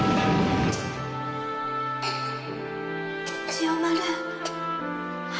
千代丸。